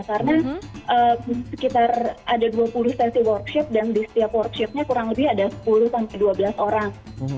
karena sekitar ada dua puluh sesi workshop dan di setiap workshopnya kurang lebih ada sepuluh dua belas orang